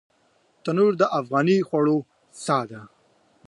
تنور د افغاني خوړو ساه ده